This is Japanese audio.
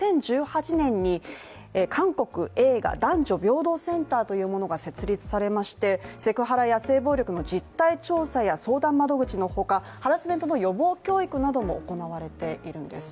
２０１８年に韓国映画男女平等センターというものが設立されまして、セクハラや性暴力の実態調査や相談窓口の他、ハラスメントの予防教育なども行われているんです。